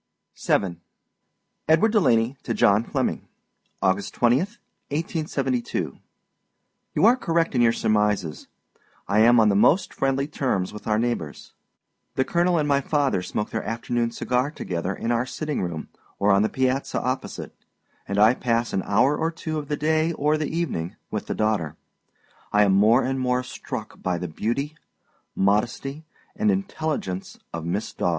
VII. EDWARD DELANEY TO JOHN FLEMMIMG. August 20, 1872. You are correct in your surmises. I am on the most friendly terms with our neighbors. The colonel and my father smoke their afternoon cigar together in our sitting room or on the piazza opposite, and I pass an hour or two of the day or the evening with the daughter. I am more and more struck by the beauty, modesty, and intelligence of Miss Daw.